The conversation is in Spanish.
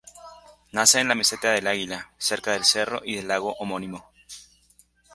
Nace en la Meseta del Águila, cerca del cerro y del lago homónimo.